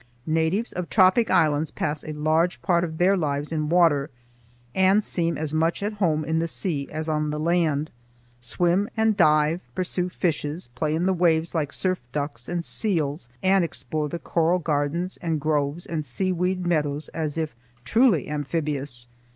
Natives of tropic islands pass a large part of their lives in water, and seem as much at home in the sea as on the land; swim and dive, pursue fishes, play in the waves like surf ducks and seals, and explore the coral gardens and groves and seaweed meadows as if truly amphibious.